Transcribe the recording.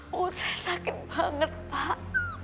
wow saya sakit banget pak